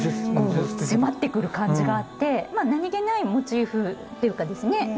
迫ってくる感じがあってまあ何気ないモチーフっていうかですね